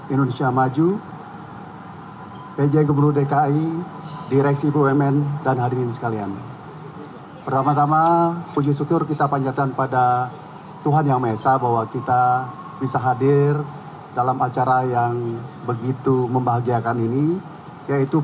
integrasi di wilayah jakarta bogor depok dan bekasi